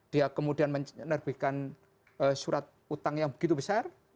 dia kemudian menerbitkan surat utang yang begitu besar